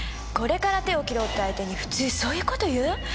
これから手を切ろうって相手に普通そういう事言う？